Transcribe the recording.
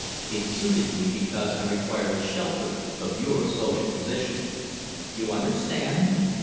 It suited me because I required the shelter of your social position. You understand?"